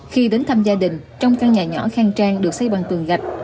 khi đến thăm gia đình trong căn nhà nhỏ khang trang được xây bằng tường gạch